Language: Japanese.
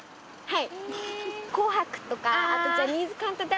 はい。